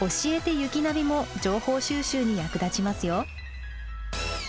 雪ナビ」も情報収集に役立ちますよ。